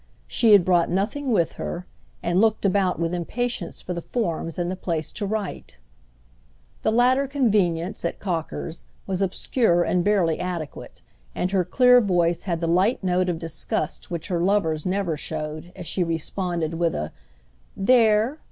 She had brought nothing with her and looked about with impatience for the forms and the place to write. The latter convenience, at Cocker's, was obscure and barely adequate, and her clear voice had the light note of disgust which her lover's never showed as she responded with a "There?"